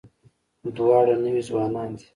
دواړه نوي ځوانان دي.